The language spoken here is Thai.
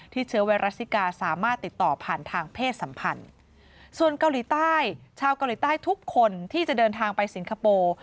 ที่จะเดินทางไปสิงคโปร์